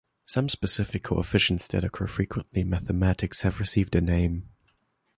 Some specific coefficients that occur frequently in mathematics have received a name.